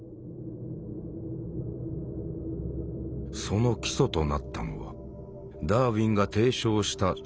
その基礎となったのはダーウィンが提唱した「進化論」。